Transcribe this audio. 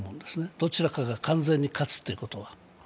どちらかが完全に勝つということは。